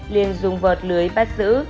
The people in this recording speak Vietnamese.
liên dung vợt lưới bắt giữ